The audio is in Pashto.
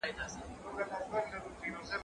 ميوې د زهشوم له خوا خورل کيږي!.